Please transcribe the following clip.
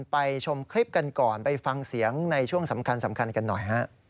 ชมคลิปกันก่อนไปฟังเสียงในช่วงสำคัญกันหน่อยฮะ